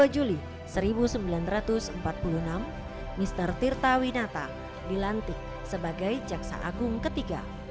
dua puluh juli seribu sembilan ratus empat puluh enam mr tirta winata dilantik sebagai jaksa agung ketiga